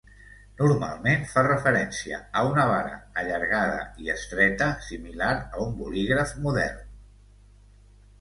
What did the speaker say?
Normalment fa referència a una vara allargada i estreta, similar a un bolígraf modern.